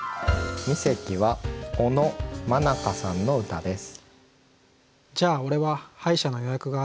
二席は小野愛加さんの歌です。